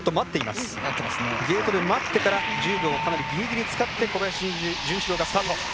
ゲートで待ってから１０秒かなりギリギリ使って小林潤志郎がスタート。